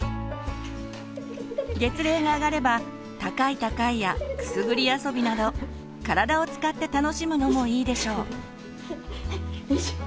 月齢が上がれば高い高いやくすぐり遊びなど体を使って楽しむのもいいでしょう。